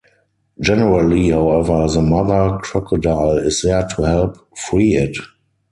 Generally, however, the mother crocodile is there to help free it.